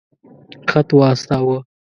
خط واستاوه.